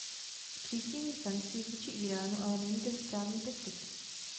Zpřísnění sankcí vůči Íránu ale není ten správný postup.